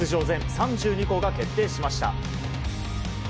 全３２校が決定しました。